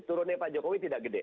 turunnya pak jokowi tidak gede